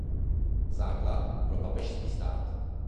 Základ pro papežský stát.